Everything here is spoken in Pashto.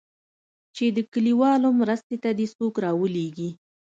چې د کليوالو مرستې ته دې څوک راولېږي.